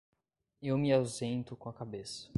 Eu me ausento com a cabeça.